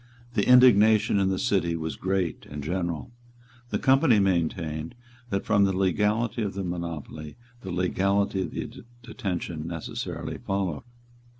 The indignation in the City was great and general. The Company maintained that from the legality of the monopoly the legality of the detention necessarily followed.